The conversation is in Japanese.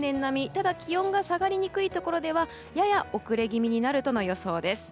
ただ気温が下がりにくいところではやや遅れ気味になるとの予想です。